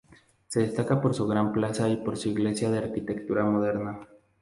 Se destaca por su gran plaza y por una iglesia de arquitectura moderna.